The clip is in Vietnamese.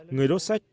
người đốt sách